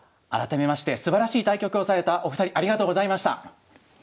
改めましてすばらしい対局をされたお二人ありがとうございました。